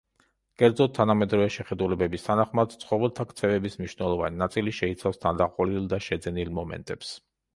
კერძოდ, თანამედროვე შეხედულებების თანახმად, ცხოველთა ქცევების მნიშვნელოვანი ნაწილი შეიცავს თანდაყოლილ და შეძენილ მომენტებს.